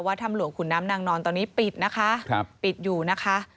ถ้ำหลวงขุนน้ำนางนอนตอนนี้ปิดนะคะปิดอยู่นะคะ